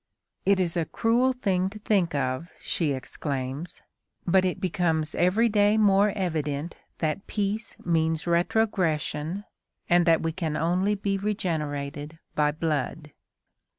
"It is a cruel thing to think of," she exclaims, "but it becomes every day more evident that peace means retrogression, and that we can only be regenerated by blood."